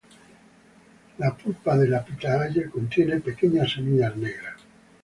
La pulpa de la pitahaya contiene pequeñas semillas negras.